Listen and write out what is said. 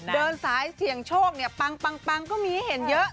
เดินสายเสี่ยงโชคปังก็มีให้เห็นเยอะ